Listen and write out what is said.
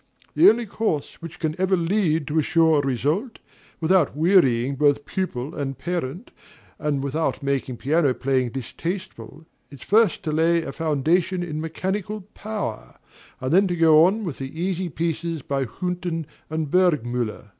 The only course which can ever lead to a sure result, without wearying both pupil and parent, and without making piano playing distasteful, is first to lay a foundation in mechanical power, and then to go on with the easier pieces by Hünten and Burgmüller.